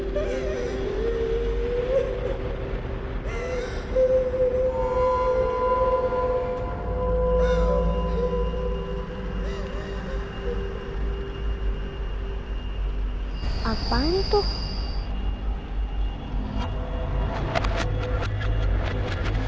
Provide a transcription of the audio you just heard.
suara cepet dan berkelakutan